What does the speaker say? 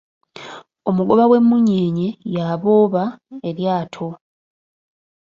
Omugoba w’emunyenye y’abooba eryato.